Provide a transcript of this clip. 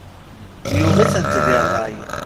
Yuɣ-itent di ṛṛay.